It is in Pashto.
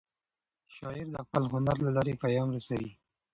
شاعر د خپل هنر له لارې پیغام رسوي.